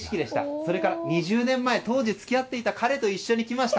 それから２０年前当時、付き合っていた彼と来ました。